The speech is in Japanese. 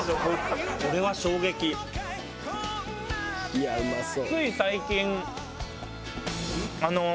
「いやあうまそう」